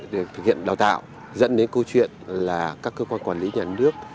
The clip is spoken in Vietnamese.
để thực hiện đào tạo dẫn đến câu chuyện là các cơ quan quản lý nhà nước